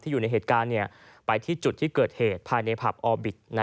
อยู่ในเหตุการณ์ไปที่จุดที่เกิดเหตุภายในผับออบิต